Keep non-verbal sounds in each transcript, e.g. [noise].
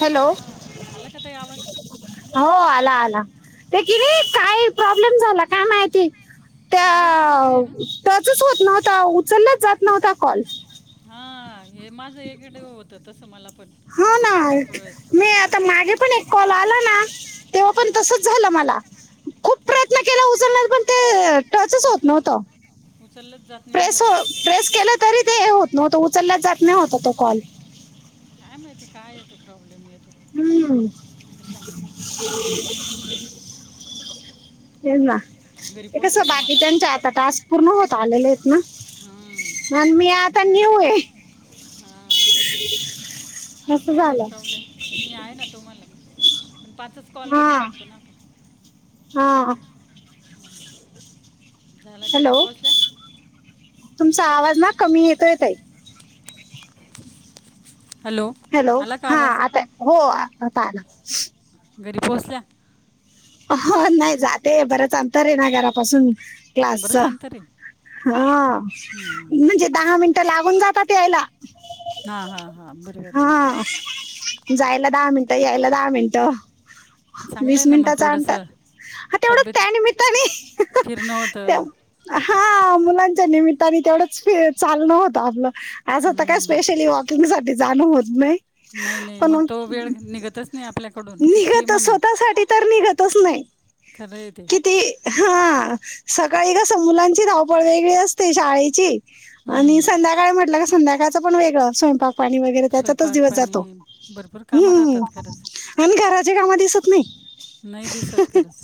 Hello हा. आला का ताई आ - हो. आला आला. ते कि नाही, आला का काय प्रॉब्लेम झाला काय माहिती. आवाजच येत नाही त्या ना त्याचच होत नव्हता अहो उचललाच जात नव्हता कॉल. हां. हे माझं एकडे होत तसं मला पण. हा ना. भरपूर वेळेस मी आता मागे पण एक कॉल आला ना? तेव्हा पण हा तसच झालं मला. खूप तेच ना प्रयत्न केला उचलण्याचा पण ते टचच होत नव्हत. उचललाच जात- नाही ना प्रेस खरंच प्रेस केलं तरी ते होत नव्हतं. उचललाच जात नव्हता तो कॉल. काय माहिती काय येतं प्रॉब्लेम येतो. हम्म. कशामुळे तेच ना ये ना. घरी ते कस पोहोचले का मग बाकीच्यांचे आता टास्क पूर्ण होत आलेले एत ना? हां पण मी आता न्यु ए. हां. बरोबर ए. असं काय नाही झालं प्रॉब्लेम मी आहे ना तुम्हाला म. पण पाचच कॉल करू शकतो ना आपण? हां. हम्म. झाल घरी हॅलो पोहोचल्या? तुमचा आवाज ना कमी येतोय ताई. हॅलो. आला का हा आवाज आता, हो आता आला. घरी पोहोचल्या? हो नाही जातेय. बरंच अंतर आहे ना घरापासून. क्लासच. बरंच अंतर आहे हा. हम्म. म्हणजे दहा मिनटं लागून जातात यायला. हा हा हा बरोबर आहे बरोबर हा आहे. जायला दहा मिनिटं, यायला दहा मिनिटं. चांगलं आहे वीस ना मग मिनटाच अंतर, थोडंसं आ तेवढं तब्येत त्यानिमित्ताने, फिरणं त्या होतं हा मुलांच्या निमित्ताने तेवढ स्पे चालण होत आपलं, आंज आता काय हम्म. स्पेशली वॉकिंग साठी जाणं होत नाही. नाही नाही मग तो वेळ निघतच नाही आपल्याकडून किती त म्हणा स्वतःसाठी तर निघतच नाही, खरं आहे ते किती हा, सकाळी कसं मुलांची धावपळ वेगळी असते शाळेची. आणि हम्म. संध्याकाळी म्हटलं का संध्याकाळचं पण वेगळं स्वयंपाक. पाणी वैगरे त्याच स्वयंपाक दिवस जातो, पाणी भरपूर कामं हम्म, राहतात खरंच आणि घरात ते काम दिसत नाही, नाही दिसत खरंच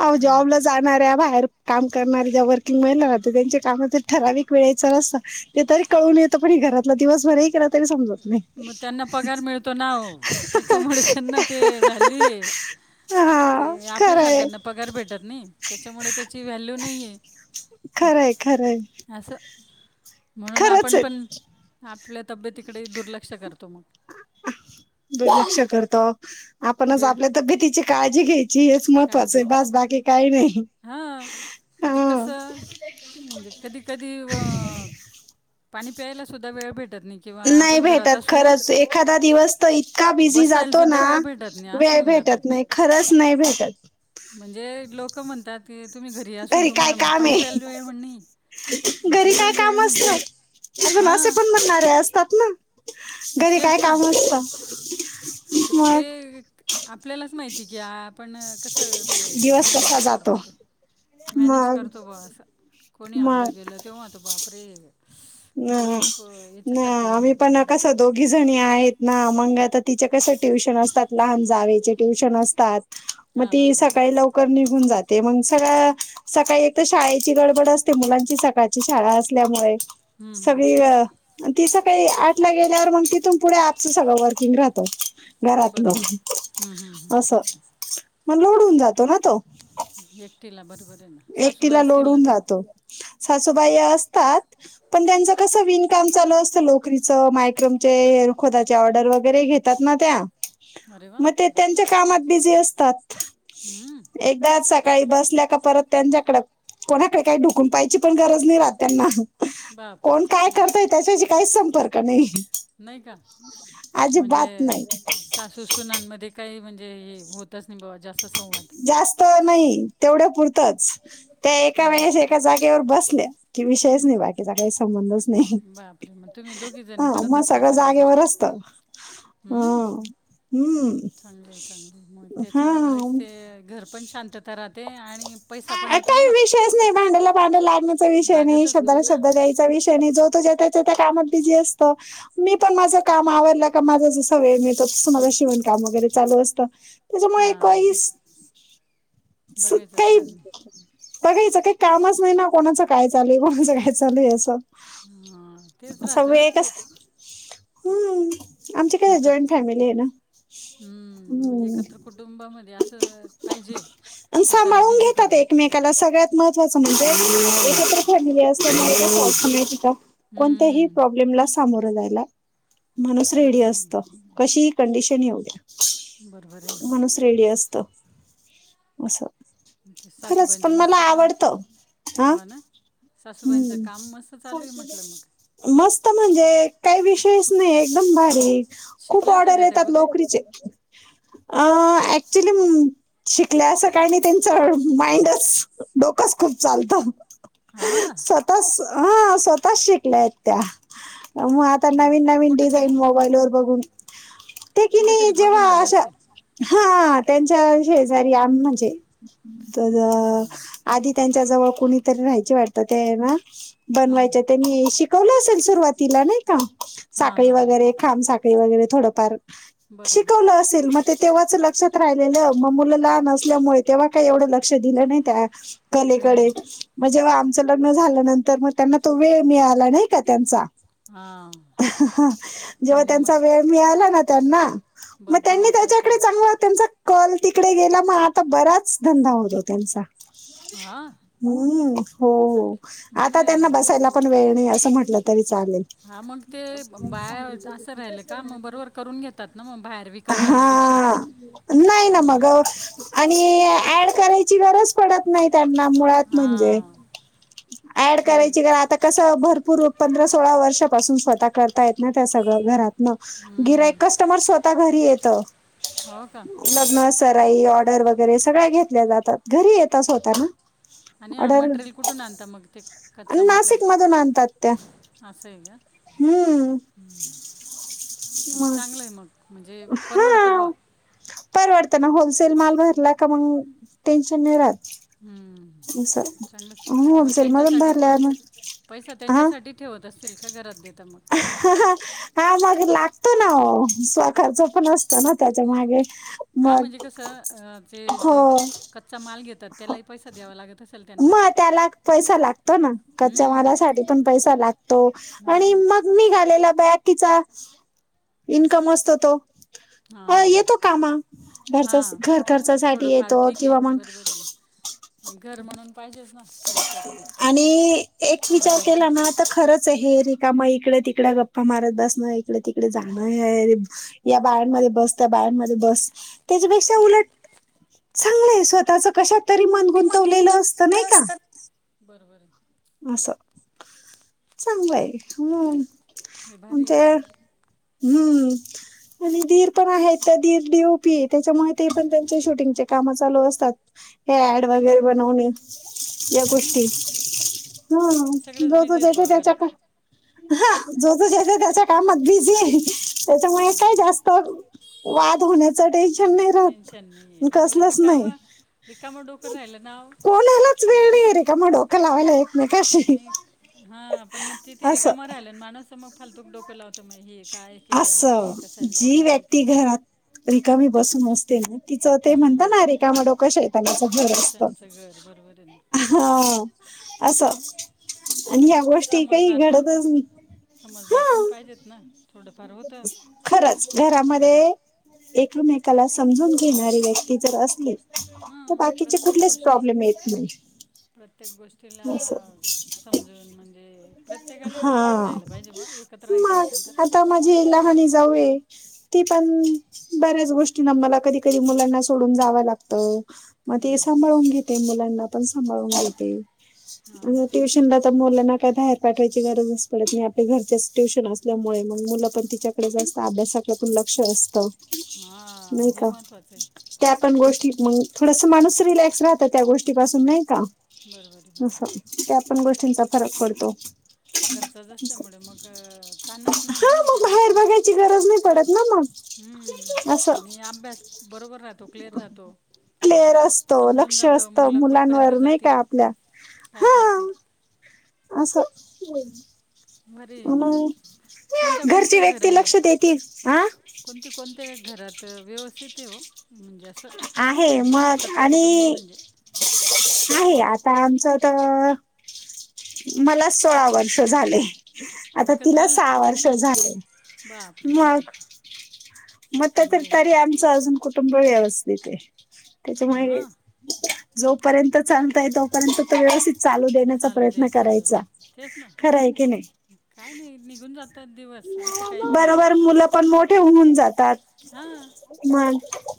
आव जॉबला जा. जाणाऱ्या बाहेर, काम करणाऱ्या ज्या वर्किंग महिला आहत त्यांच्या काम ठराविक वेळेच अस ते तरी कळून येतं पनी घरात. आपल दिवसभरही केला तरी समजत नाही. मग त्यांना पगार मिळतो ना व्हॅल्यु ये. ते हा खरंय आपल्यासारख्यांना पगार भेटत नाही, त्याच्यामुळे त्याची व्हॅल्यू नाहीये. खरंय खरंय. असं, म्हणून खरंच आपण आहे. पण आपल्या तब्येतीकडे दुर्लक्ष करतो म दुर्लक्ष करतो, आपणच वेळ आपल्या तबबेतीची काळजी घ्याय चीच महत्वाचं काळजी आहे बास बाकी काही नाही, हां पण ते हा. कसं म्हणजे कधी कधी व, पाणी प्यायला सुद्धा वेळ भेटत नाही. किंवा नाही आपण घरात भेटत असून खरंच एखादा दिवस तर इतका बिझी बसायला जातो सुद्धा ना, वेळ भेटत नाही असं वेळ होऊन जातं भेटत ते नाही. खरंच नाही भेटत. म्हणजे लोक म्हणतात. ते तुम्ही घरी असून काय तुम्हाला म काम पाणी आहे प्यायला वेळ वर नाही, म्हणणे जेवायला वेळ नई. आजुन असे पण म्हणणारे असतात न, मग घरी तेच काय ना काम नसत? तर ते, आपल्यालाच माहिती की आप आपण कसं ते दिवस कसा मॅनेज जातो करतो ते. मॅनेज मग करतो ब असं, कोणी आलं मग गेलं तेव्हा त आता बाप रे. स, अ खूप ना याच्यासारखं हुन आम्ही जातं. पण कसं दोघी जणी आहेत ना मग आता तिच्या कसं ट्युशन असतात लहान जावेचे ट्यूशन असतात. म हां हां ती हां सकाळी लवकर निघून जाते मग सगळ सकाळी एक तर शाळेची गडबड असते मुलांची सकाळची शाळा असल्यामुळे. हं, हं. सगळी य, अन ती सकाळी आठला गेल्यावर म तिथून पुढे आपचं सगळं वर्किंग राहतं. घरातलं, बरोबर हं, हं, हं. असं, म लोडून हुन जातो ना तो? एकटीला बरोबर आहे ना, सासूबाई असतील ना? आतो. सासूबाई असतात. पण त्यांच कस विन काम चालू असतं लोकरीचं मायक्रोमचे एअर खोदाचे ऑर्डर वगैरे घेतात ना त्या? अरे वा म ते त्यांच्या कामात बिझी असतात? हं. एकदाच सकाळी बसल्याक परत त्यांच्याकड, कोणाकडे काय डूकून पाहायची पण गरज नाही राहत त्यांना? बापरे कोण काय करतय त्याच्याशी काहीच संपर्क नाही. नाही का आजीबात म्हणजे नाही. सासू सुनांन मध्ये काही म्हणजे हे होतच नाही बुवा जास्त संवाद. जास्त नाही तेवढ्या पुरतच, ते एका अरे वेळेस एक एका जागेवर बसल्या की विषयच नाही बाकीचा काही संबंधच नाही. बापरे, म तुम्ही दोघी जण हा करत मग असतील सगळं सगळ्या जागेवर गोष्टी. असतं हा हम्म हम्म चांगलंय चांगलंय मग त्याच्यामुळेच ते हा घर पण शांतता राहते, आणि पैसा पण येतो ना काही मग विषयच नाही, भांड्याला भांड लागण्याचा विषय नाही, लागतच शब्दाला ना शब्द दयाय विषय नाही, जो तो ज्या त्या ज्या त्या कामात बिझी असतो मी पण माझं काम आवरलं का माझा जसा वेळ मिळतो तसं माझं शिवणकाम वगैरे चालू असतं त्याच्यामुळे हां काहीस स बघायचं काही स्थान बघायचं काही कामच नाही ना कोणाचं काय चालूय कोणाचं काय चालूय असं हां तेच राहतं सगळे कस हम्म. आमची काय जॉईंट एकत्र फॅमिली आहे ना हम्म, मग हम्. एकत्र कुटुंबामध्ये असं पाहिजे स्वतःला बिझी करून. त्याला सगळ्यात महत्त्वाचं म्हणजे एकत्र फॅमिली [unintelligible] माहिती का कोणत्याही हम्म, प्रॉब्लेमला सामोरं जायला माणूस रेडी बरोबर आहे ना असत. कशी ही कंडिशन येऊ द्या. बरोबर आहे ना. माणूस रेडी असत, अस म्हणजे खरच सासूबाईंचं पण मला मस्त काम आवडत हा हो ना सासूबाईंचं हम्. काम मस्त चालू आहे म्हटलं मग मस्त म्हणजे काही विष नाहीये एकदम भारी ये खूप शिकल्या होत्या ऑर्डर का त्या येतात कुठे नोकरीचे अं चिलीम शिकल्या असं काही नाही त्यांच माइंडच डोकच खूप चालत. हां? हां स्वतःच शिकल्या आहेत त्या, मग आ ता नवीन नवीन कुठेतरी डिझाईन मोबाईल वर बघून ते कुठेतरी किनी जेव्हा बघून आल्या अशा असतील हा त्यांच्या शेजारी आम्ही म्हणजे तर हां आधी त्यांच्या जवळ कुणीतरी राहायची वाटत ते ये ना हं. बनवायच्या, ते नी शिकवलं असेल सुरुवातीला नाही का हां हां साखळी हां वगैरे खांब साखळी वगैरे थोडफार, बरोबर शिकवलं असेल मग ते तेव्हाच लक्षात राहिलेल म मुलं लहान असल्यामुळे तेव्हा काही एवढं लक्ष दिलं नाही त्या हं. कलेकडे म जेव्हा आमचं लग्न झाल्या नंतर मग त्यांना तो वेळ मिळाला नाही का त्यांचा हां जेव्हा त्यांनी मग त्यांचा वेळ मिळाला ना त्यांना मग बरोबर त्यांनी वापर त्याच्याकडे केला. चांगला त्यांचा कल तिकडे गेला म आता बराच धंदा होतो त्यांचा. हां हम्म हो हो चांगलं आता चांगलं त्यांना आहे बसायला पण वेळ नाही असं म्हटलं तरी चालेल. हां मग ते बाया असं राहिलं का मग बरोबर करून घेतात ना म बाहेर विकत घेण्यापेक्षा हा नाही ना आणि मग आणि ऍड करायची गरज पडत नाही त्यांना मुळात म्हणजे, हां ऍड ते करायची खर आता कसं भरपूर पंधरा सोळा वर्षापासून स्वतः करतायेत ना त्या सगळं घरात मग हं. गिरायक कस्टमर स्वता घरी येत. हो का? लग्न, सराई ऑर्डर वगैरे सगळ्या घेतल्या जातात घरी येताच होता ना. आणि हा ऑर्डर, मटेरियल कुठून आणता मग ते आणि कच्चं नाशिक मटेरियल मधून आणतात त्या. असं हाय का? हम्म म्हणजे मग चांगलं आहे मग. म्हणजे परवडतं बुवा [unintelligible] परवडतं ना! होलसेल माल भरला का मग टेन्शन नाही राहत. हम्म, असं चांगलंच मग होलसेल मधून त्यांच्यासाठी पण भरल्या मग पैसा त्यांच्यासाठी ठेवत असतील का घरात देता मग? हा हा, हा मग लागतो ना ओ स्वखर्च पण असतो ना. त्याच्या माग. हा म्हणजे कसं जे, जे कच्चा माल घेतात त्यालाही पैसा द्यावा लागत असल त्यांना. मग त्याला पैसा लागतो ना, कच्च्या हम्म. मालासाठी पण पैसा लागतो आणि मग निघालेला बाकीचा इन्कम असतो तो. होय हां येतो कामा घरच- हां घर ते ना, खर्चासाठी थोडंफार येतो ठीक किंवा आहे मग बरोबर आहे ना आणि घर म्हणून पाहिजेच ना थोडंफार आणि एक विचार केला जबाबदारी ना. तर खरंच आहे हे, रिकाम इकडं तिकडं गप्पा मारत बसणं, इकडे तिकडे जाणं हे या बायांमध्ये बस, त्या बायांमध्ये बस, त्याच्यापेक्षा उलट चांगलंय, स्वतःचं कशात तरी मन गुंतवलेलं असतं, नाही का? बरोबर आहे. असं [inaudible] चांगलं आहे हो. हे भारी आहे आमच्या पण या हम्म. आणि दीर पण आहेत तर दीर डी. ओ. पी. आहे, त्याच्यामुळे ते पण त्यांचे शूटिंगचे काम चालू असतात. हे ऍड वगैरे बनवणे या हम्म. गोष्टी, हा सगळेच जो तो, बिझी आहेत जायचा बुवा घरात त्याच्याकड हा जो तो, ज्याच्या-त्याच्या कामात बिझी आहे, त्याच्यामुळे काय हो जास्त जास्त [unintelligible] वाद होण्यात. हम्म, टेन्शन नाहीे आहे, बरोबर कसलंच नाही रिकाम-रिकाम डोकं राहिलं ना आओ. मग किती? त्यामुळे डोकं लावायलोय. नाही, हा पण मग तिथे असं रिकामं राहिल माणूस, मग फालतूक डोकं लावत तर मग हे काय केलं आणि ते असं कशाला जी आणि ते काय व्यक्ती घरात रिकामी बसून असते ना, तिचं ते म्हणता हम्म. ना, रिकामं डोकं सैतानाचं घर असतं. शेतच्यांचं घर बरोबर हाय ना. हा असं. आणि या गोष्टी काही समजदार पण घडतंच नाही हा. समजदार पण पाहिजेत ना थोडंफार होतं खरंच, घरामध्ये घरात एक एकमेकाला प्रत्येक असं समजून घेणारी व्यक्ती जर असली तर हां बाकीचे प्रत्येक कुठलेच गोष्टी प्रॉब्लेम येत नाहीत. प्रत्येक गोष्टीला समजून म्हणजे म्हणजे प्रत्येकानेच समजून हा घ्यायला पाहिजे बा, एकत्र राहायचं मग असेल तर. [unintelligible] ती पण बऱ्याच गोष्टीना मला कधी कधी मुलांना सोडून जावं लागत. म ती हम्म. सांभाळून घेते, मुलांना पण सांभाळून घेते हा ना म ट्युशनला मुलांना काय बाहेर पाठवायची गरजच पडत नाही, आपली घरचीच ट्युशन असल्यामुळे मग मुलं पण तिच्याकडेच असतात अभ्यासात [unintelligible] लक्ष असतं. हा. नाही हे का महत्वाचंय. त्या पण गोष्टी मंग थोडसं माणूस रिलॅक्स राहातं त्या गोष्टीपासून नाही का. बरोबरय असं बरोबरय. त्या पण गोष्टींचा फरक पडतो. घरचाच असल्यामुळे मग.. अ तानचं हं मग बाहेर बघायची गरज नाही पडत न मग. असं हम्. आणि आभ्यास बरोबर राहात तो क्लिअर राहातो. क्लिअर असतो समजून लक्ष जातं असत मुलं कुठपर्यंत मुलांवर नाही का जातील. आपल्या काय करतील. आसं येई बरे ये हे, कोणत्या घरची कोणते व्यक्ती घरये लक्ष देतील हा हे. कोणते कोणत्या घरात, व्यवस्थितय ओ. म्हणजे आसं आहे मग एकत्र कुटुंब आणि म्हणजे आहे. आता आमचं त मला सोळा वर्ष झाले. आता एकत्र तिला आलं सा वर्ष झाले. बापरे मग मग त्याच्यात चांगलं तरी आहे आमचं अजून कुटुंब व्यवस्थित आहे. त्याच्यामुळे हां जोपर्यंत चालतंय तोपर्यंत त व्यवस्थित चालू देण्याचा चालू प्रयत्न द्यायचं करायचा. तेच ना खरंय की नाही. काय नी निघून जातेत दिवस असं काय नी. बरोबर मुलं पण मोठे होऊन जातात. हां मंग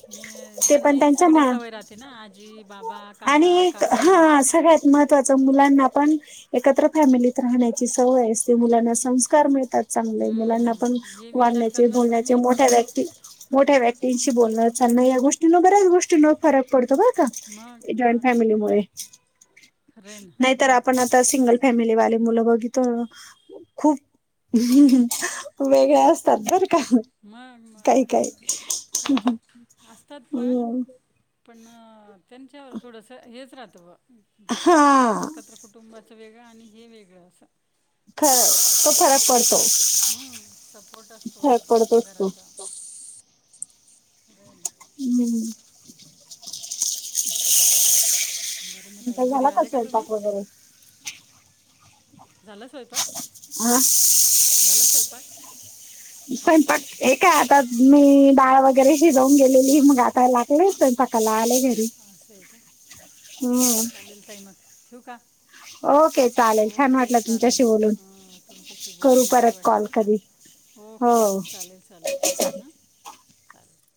आणि त्यांनाही सगळी सवय राहाते ना. आजी, बाबा, काका, आणि काकू. हा सगळ्यात महत्वाचं मुलांना पण एकत्र फॅमिलीत राहाण्याची सवय असते मुलांना संस्कार मिळतात. चांगलंय. मुलांना हम्म, पण हे विचार वाढण्याचे करणार कमी बोलण्याचे आहेत. मोठ्या व्यक्ती मोठ्या व्यक्तींशी बोलणं चालणं या गोष्टींन बऱ्याच गोष्टी न फरक पडतो बरं का. मग जॉईंड मग खरं आहे. फॅमिलीमुळे. खरं आहे नाही तर ‌आप पण आता, सिंगल फॅमिलीवाले मुलं बघितं खूप हम् हम्. वेगळया असतात बरं. आं हं. ना मग मग काही काही, तेच ह्म ह्म अम्. पण््अ त्यांच्यावर थोडसं हेच राहतं हा बा, एकत्र कुटुंबाचं वेगळं आणि हे वेगळं असं. खरं. तो फरक पड हा सपोर्ट आसतो फरक पडतोच तो घराचा. खरंय न. उ्मम्. बरं मग ताई काय घरी झाला का आले तुम्ही स्वयंपाक वगैरे? झाला स्वयंपाक, हा झाला स्वयंपाक. स्वयंपाक, हे काय आता मी इ डाळ वगैरे शिजवून गेलेली. मग आता लागले स्वयंपाकाला आले घरी. हा असं आहे का. हम्म चालेल ताई मग ठेवु का? ओके चालेल छान ओके वाटलं चालेल. तुमच्याशी बोलून अ.. तुमच्याशी करू बोलून मस्त परत वाटलं कॉल बरं का. कधी ओके. हो चालेल चालेल ठीकय ह चालेल.